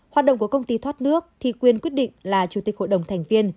hoạt động của công ty thoát nước thì quyền quyết định là chủ tịch hội đồng thành viên